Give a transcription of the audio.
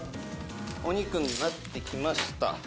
「お肉になってきました」